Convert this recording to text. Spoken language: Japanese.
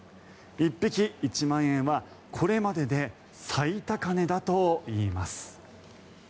１匹１万円はこれまでで最高値だといいます。